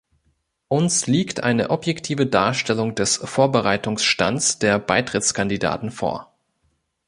Uns liegt eine objektive Darstellung des Vorbereitungsstands der Beitrittskandidaten vor.